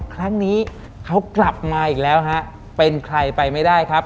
ครั้งนี้เขากลับมาอีกแล้วฮะเป็นใครไปไม่ได้ครับ